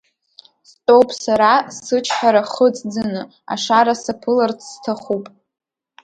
Стәоуп сара, сычҳара хыҵӡаны, ашара саԥыларц сҭахуп.